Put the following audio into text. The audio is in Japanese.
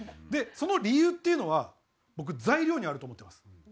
でその理由っていうのは僕材料にあると思ってます。